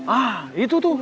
ah itu tuh